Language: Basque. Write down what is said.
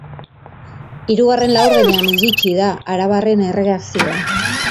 Hirugarren laurdenean iritsi da arabarren erreakzioa.